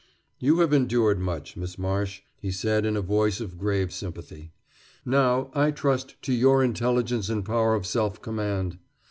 "You have endured much, Miss Marsh," he said in a voice of grave sympathy. "Now, I trust to your intelligence and power of self command.